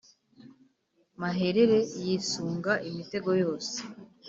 maherere yisunga imitego yose